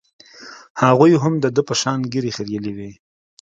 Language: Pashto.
هغوى هم د ده په شان ږيرې خرييلې وې.